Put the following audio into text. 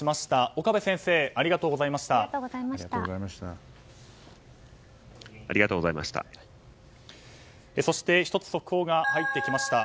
岡部先生ありがとうございました。